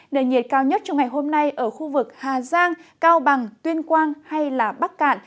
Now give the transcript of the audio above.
nền nhiệt cao nhất trong ngày hôm nay ở khu vực hà giang cao bằng tuyên quang hay bắc cạn